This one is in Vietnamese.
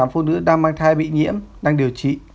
một trăm chín mươi tám phụ nữ đang mang thai bị nhiễm đang điều trị